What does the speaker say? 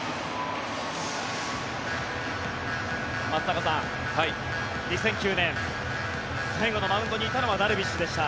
松坂さん、２００９年最後のマウンドにいたのはダルビッシュでした。